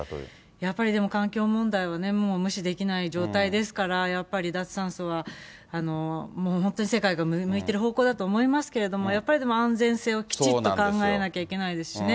やっぱり、でも環境問題はもう無視できない状態ですから、やっぱり脱炭素は、本当に世界が向いてる方向だと思いますけれども、やっぱりでも、安全性をきちっと考えなきゃいけないですしね。